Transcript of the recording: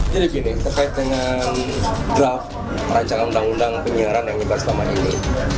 jadi begini terkait dengan draft rancangan undang undang penyiaran yang diberi selama ini